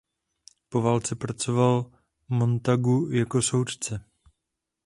Po válce pracoval Montagu jako soudce.